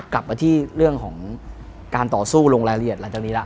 กลับมาที่เรื่องของการต่อสู้ลงรายละเอียดหลังจากนี้แล้ว